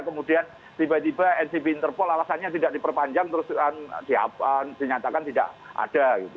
kemudian tiba tiba ncb interpol alasannya tidak diperpanjang terus dinyatakan tidak ada